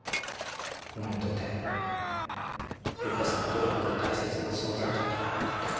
お前にとって悠香さんがどれほど大切な存在だったかは分かってる。